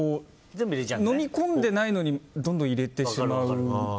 飲み込んでないのにどんどん入れてしまう。